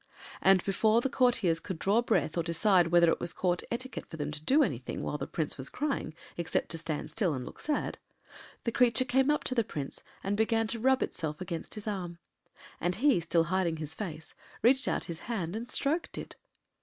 And, before the courtiers could draw breath or decide whether it was Court etiquette for them to do anything while the Prince was crying except to stand still and look sad, the creature came up to the Prince and began to rub itself against his arm. And he, still hiding his face, reached out his hand and stroked it!